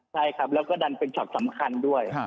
ใช่ครับแล้วก็ดันเป็นช็อตสำคัญด้วย